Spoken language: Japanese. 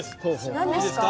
何ですか？